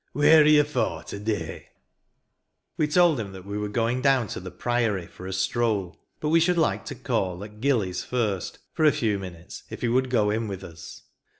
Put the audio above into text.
Wheer are you for, — to day ?" We told him that we were going down to the Priory, for a stroll; but we should like to call at "Gilly's" first, for a few minutes, if he would go in with us.